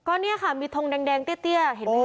ก็เนี่ยค่ะมีทงแดงเตี้ยเห็นไหมคะ